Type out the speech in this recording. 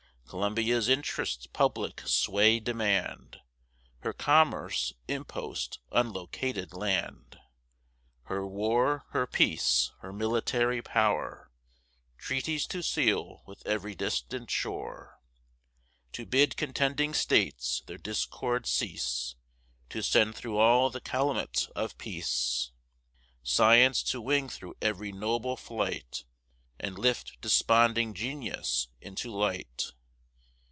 Columbia's interests public sway demand, Her commerce, impost, unlocated land; Her war, her peace, her military power; Treaties to seal with every distant shore; To bid contending states their discord cease; To send thro' all the calumet of peace; Science to wing thro' every noble flight; And lift desponding genius into light.